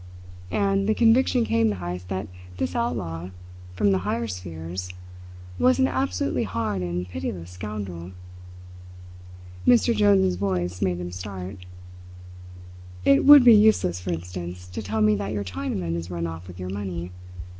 And, the conviction came to Heyst that this outlaw from the higher spheres was an absolutely hard and pitiless scoundrel. Mr Jones's voice made him start. "It would be useless, for instance, to tell me that your Chinaman has run off with your money.